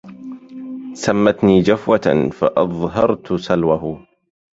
سمتني جفوة فأظهرت سلوه